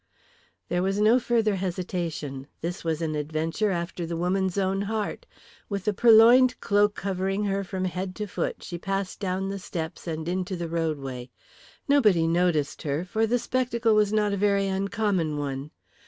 There was no further hesitation. This was an adventure after the woman's own heart. With the purloined cloak covering her from head to foot she passed down the steps and into the roadway. Nobody noticed her, for the spectacle was not a very uncommon one.